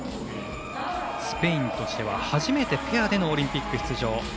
スペインとしては、初めてペアでのオリンピック出場